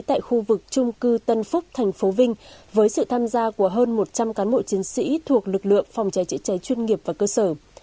tại khu vực trung cư tân phúc thành phố vinh với sự tham gia của hơn một trăm linh cán bộ chiến sĩ thuộc lực lượng phòng cháy chữa cháy chuyên nghiệp và cơ sở